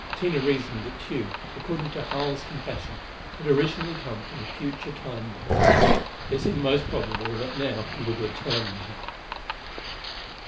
Tina reasoned that Tugh, according to Harl's confession, had originally come from a future Time world. It seemed most probable that now he would return there.